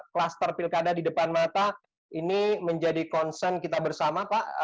kluster pilkada di depan mata ini menjadi concern kita bersama pak